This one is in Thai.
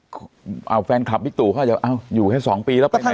ก็เอาแฟนคลับวิตุเขาจะอ้าวอยู่แค่สองปีแล้วไปไหนก่อน